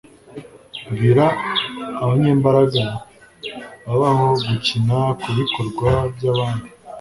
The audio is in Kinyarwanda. Bwira abanyembaraga, babaho Gukina, kubikorwa byabandi;